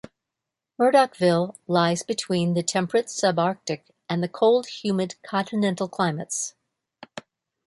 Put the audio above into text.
Murdochville lies between the temperate subarctic and the cold humid continental climates.